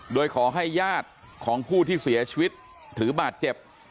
โดยขอให้ญาติของผู้ที่เสียชีวิตถือบาดเจ็บ